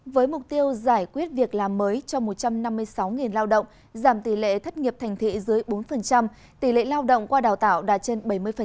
với mục tiêu giải quyết việc làm mới cho một trăm năm mươi sáu lao động giảm tỷ lệ thất nghiệp thành thị dưới bốn tỷ lệ lao động qua đào tạo đạt trên bảy mươi